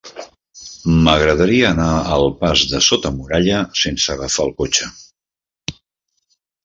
M'agradaria anar al pas de Sota Muralla sense agafar el cotxe.